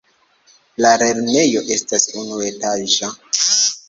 La lernejo estas unuetaĝa.